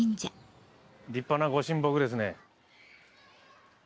立派なご神木ですね。